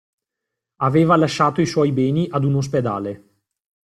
Aveva lasciato i suoi beni ad un ospedale.